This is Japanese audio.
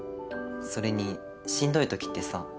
それにしんどいときってさ